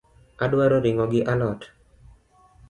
Adwaro ring’o gi a lot